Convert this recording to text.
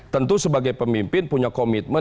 tentu sebagai pemimpin punya komitmen